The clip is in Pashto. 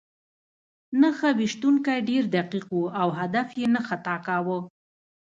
نښه ویشتونکی ډېر دقیق و او هدف یې نه خطا کاوه